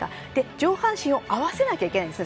上半身を合わせなきゃいけないんですね。